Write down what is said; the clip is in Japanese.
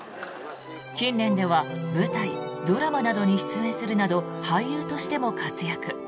近年では舞台、ドラマなどに出演するなど俳優としても活躍。